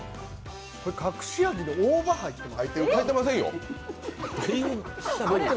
隠し味に大葉入ってる。